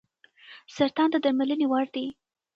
سرطان د درملنې وړ دی.